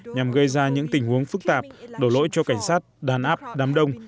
nhằm gây ra những tình huống phức tạp đổ lỗi cho cảnh sát đàn áp đám đông